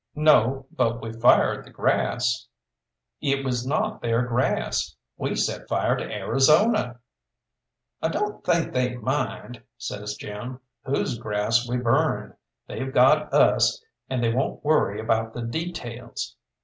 "No, but we fired the grass." "It was not their grass we set fire to Arizona." "I don't think they mind," says Jim, "whose grass we burned. They've got us, and they won't worry about the details.